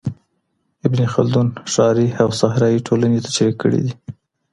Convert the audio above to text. ابن خلدون ښاري او صحرايي ټولني تشرېح کړې دي.